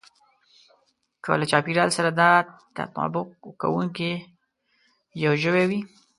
که له چاپېريال سره دا تطابق کوونکی يو ژوی وي.